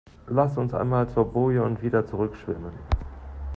Lass uns einmal zur Boje und wieder zurück schwimmen.